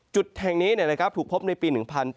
จุดแห่งนี้เนี่ยนะครับถูกพบในปี